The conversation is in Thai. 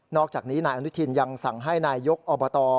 อกจากนี้นายอนุทินยังสั่งให้นายยกอบต